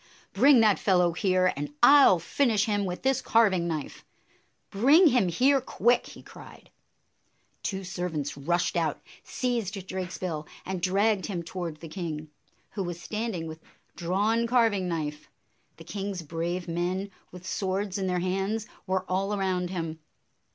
"Bring that fellow here, and I 'll finish him with this carving knife! Bring him here quick!" he cried. Two servants rushed out, seized Drakesbill, and dragged him toward the king, who was standing with drawn carving knife. The king's brave men, with swords in their hands, were all around him.